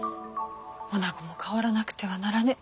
おなごも変わらなくてはならねぇ。